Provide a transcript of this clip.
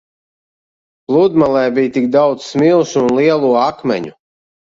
Pludmalē bija tik daudz smilšu un lielo akmeņu.